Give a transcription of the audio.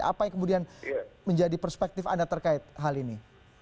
apa yang kemudian menjadi perspektif anda terkait hal ini